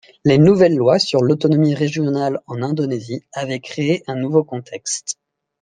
Les nouvelles lois sur l'autonomie régionale en Indonésie avaient créé un nouveau contexte.